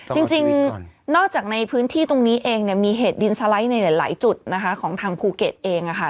จริงนอกจากในพื้นที่ตรงนี้เองเนี่ยมีเหตุดินสไลด์ในหลายจุดนะคะของทางภูเก็ตเองค่ะ